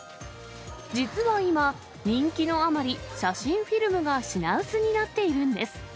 実は今、人気のあまり、写真フィルムが品薄になっているんです。